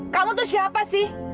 kamu tuh siapa sih